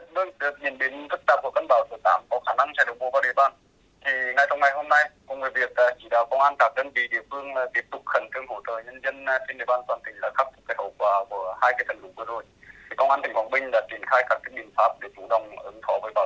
bước tiệc nhìn đến thức tạp của cân bão số tám có khả năng sẽ đổ bộ vào địa bàn